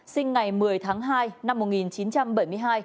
sinh ngày một mươi tháng hai năm một nghìn chín trăm bảy mươi hai